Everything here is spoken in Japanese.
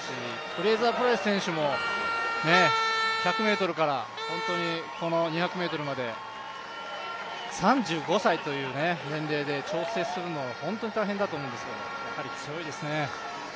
フレイザー・プライス選手も１００ｍから２００ｍまで３５歳という年齢で調整するのは本当に大変だと思うんですけど、やはり強いですね。